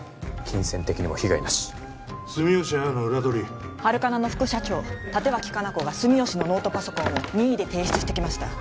金銭的にも被害なし住吉亜矢の裏取りハルカナの副社長立脇香菜子が住吉のノートパソコンを任意で提出してきました